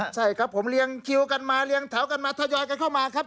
ใช่ครับผมเรียงคิวกันมาเรียงแถวกันมาทยอยกันเข้ามาครับ